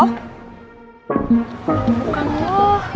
oh bukan lo